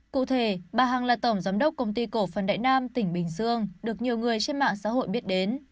cụ thể bà hằng là tổng giám đốc công ty cổ phần đại nam tỉnh bình dương được nhiều người trên mạng xã hội biết đến